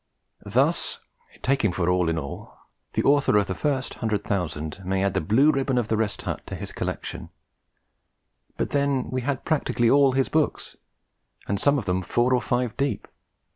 Thus, take him for all in all, the author of The First Hundred Thousand may add the blue ribbon of the Rest Hut to his collection; but then, we had practically all his books, and some of them four or five deep.